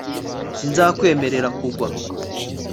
sinzakwemerera kugwa